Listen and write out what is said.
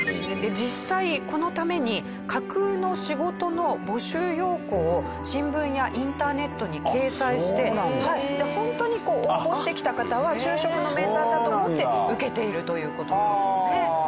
実際このために架空の仕事の募集要項を新聞やインターネットに掲載してホントに応募してきた方は就職の面談だと思って受けているという事なんですね。